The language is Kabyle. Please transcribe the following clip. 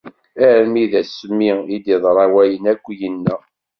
Armi d Ass mi i d-iḍra wayen akken yenna.